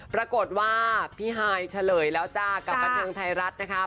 ปรากฏว่าพี่ฮายเฉลยแล้วจ้ากับบันเทิงไทยรัฐนะคะ